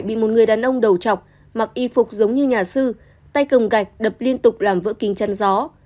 bị một người đàn ông đầu chọc mặc y phục giống như nhà sư tay cầm gạch đập liên tục làm vỡ kính chăn gió